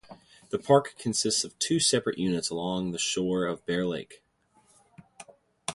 The park consists of two separate units along the shore of Bear Lake.